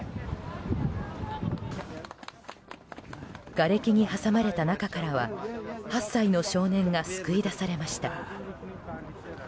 がれきに挟まれた中からは８歳の少年が救い出されました。